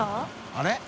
あれ？